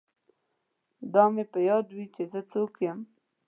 دا مې په یاد وي چې زه څوک یم